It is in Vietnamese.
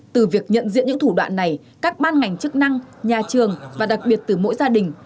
từ việc nhận diện những thủ đoạn này các ban ngành chức năng nhà trường và đặc biệt từ mỗi gia đình